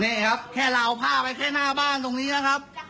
นี่ครับแค่เราเอาผ้าไปแค่หน้าบ้านตรงนี้นะครับ